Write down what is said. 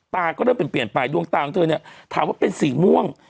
ตาก็เริ่มเปลี่ยนไปดวงตาของเธอเนี่ยถามว่าเป็นสีม่วง